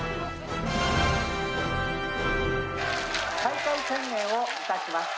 開会宣言をいたします。